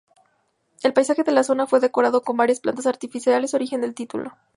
El paisaje de la zona fue decorado con varias plantas artificiales, origen del título.